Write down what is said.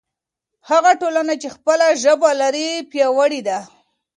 هغه ټولنه چې خپله ژبه لري پیاوړې ده.